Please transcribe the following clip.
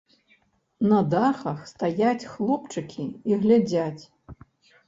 На дахах стаяць хлопчыкі і глядзяць.